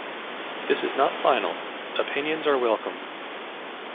This is not final, opinions are welcome.